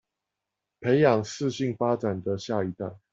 培養適性發展的下一代